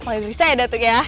paling bisa ya datu ya